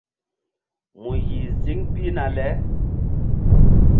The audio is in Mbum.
Mu yih ziŋ pihna le.